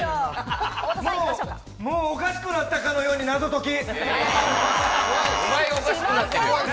もうおかしくなったかのように謎解き。